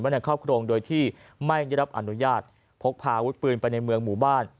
ในครอบครองโดยที่ไม่ได้รับอนุญาตพกพาอาวุธปืนไปในเมืองหมู่บ้าน